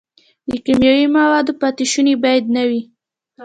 د کیمیاوي موادو پاتې شوني باید نه وي.